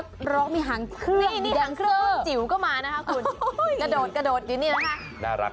กระโดดอย่างนี้นะครับ